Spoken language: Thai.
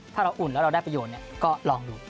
ถ้าเราอุ่นแล้วเราได้ประโยชน์ก็ลองดู